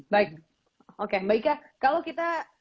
baik baik ya kalau kita